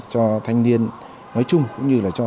cho thanh niên nói chung cũng như là cho